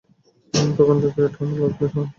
তখন থেকেই এটা আমার লাকি চার্ম।